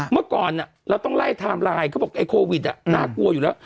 เมื่อก่อนเราต้องไล่ไทม์ไลน์เขาบอกไอ้โควิดน่ากลัวอยู่แล้ว